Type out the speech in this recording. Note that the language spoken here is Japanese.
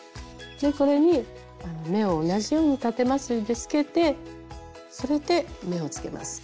これに目を同じようにたてまつりでつけてそれで目をつけます。